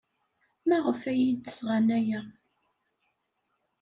Maɣef ay iyi-d-sɣan aya?